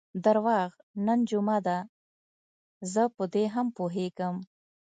درواغ، نن جمعه ده، زه په دې هم پوهېږم.